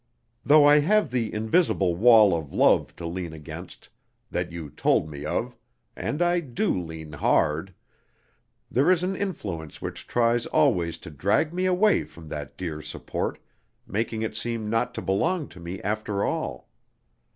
Though I have the 'invisible wall of love' to lean against, that you told me of (and I do lean hard!), there is an influence which tries always to drag me away from that dear support, making it seem not to belong to me after all.